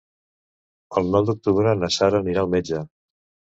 El nou d'octubre na Sara anirà al metge.